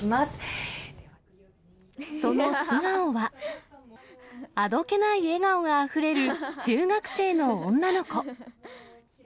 その素顔は、あどけない笑顔があふれる中学生の女の子。